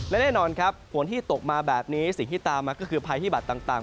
และแน่นอนครับฝนที่ตกมาแบบนี้สิ่งที่ตามมาก็คือภัยพิบัตรต่าง